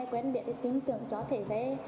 quen biết tính tưởng cho thế với